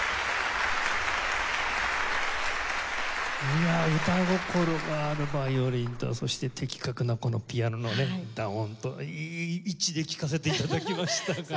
いや歌心があるヴァイオリンとそして的確なこのピアノのね弾音といい位置で聴かせて頂きました。